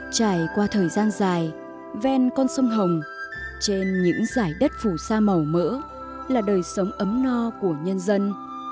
trải qua thời gian dài ven con sông hồng trên những giải đất phù sa màu mỡ là đời sống ấm no của nhân dân